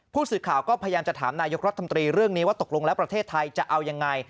ผู้สื่อข่าวก็พยายามจะถามนายกรัฐมนตรีเรื่องนี้ว่าตกลงแล้วประเทศไทยจะเอายังไง